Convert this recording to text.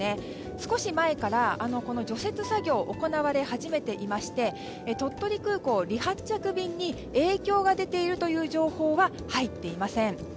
少し前から除雪作業が行われ始めていまして鳥取空港、離発着便に影響が出ているという情報は入っていません。